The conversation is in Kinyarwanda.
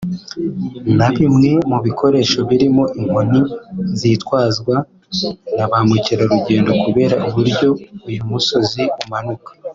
na bimwe mu bikoresho birimo inkoni zitwazwa na ba mukerarugendo kubera uburyo uyu musozi umanuka